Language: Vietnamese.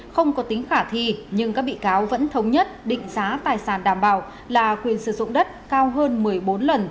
không có tính khả thi nhưng các bị cáo vẫn thống nhất định giá tài sản đảm bảo là quyền sử dụng đất cao hơn một mươi bốn lần